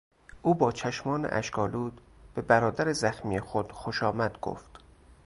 او با چشمان اشک آلود به برادر زخمی خود خوش آمد گفت.